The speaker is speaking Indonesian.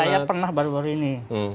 saya pernah baru baru ini